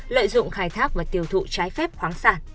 lợi dụng khai thác và tiêu thụ trái phép khoáng sản